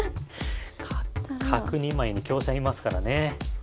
角２枚に香車居ますからね。